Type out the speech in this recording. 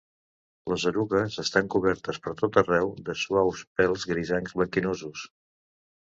Les erugues estan cobertes per tot arreu de suaus pèls grisencs blanquinosos.